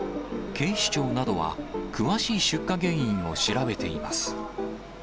警視庁などは、詳しい出火原因を調べています。